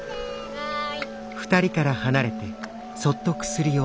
はい。